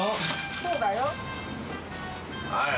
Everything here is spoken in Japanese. そうだよ。